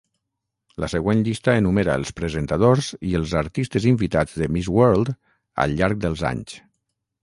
La següent llista enumera els presentadors i els artistes invitats de Miss World al llarg dels anys.